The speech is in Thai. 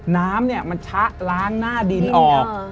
น้ำมันชะล้างหน้าดินออก